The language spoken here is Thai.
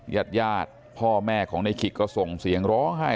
ยาดพ่อแม่ของนายขิกก็ส่งเสียงร้อไห้